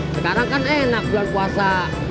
sekarang kan enak bulan puasa